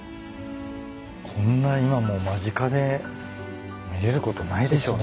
こんな今もう間近で見れることないですよね？